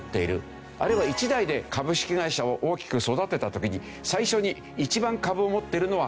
あるいは一代で株式会社を大きく育てた時に最初に一番株を持っているのは本人ですよね。